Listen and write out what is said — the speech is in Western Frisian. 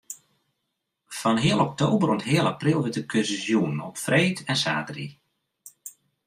Fan heal oktober oant heal april wurdt de kursus jûn op freed en saterdei.